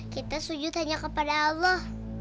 kita sujud hanya kepada allah